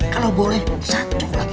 kalau boleh satu lagi